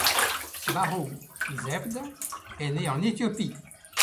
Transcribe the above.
Bahru Zewde est né en Éthiopie.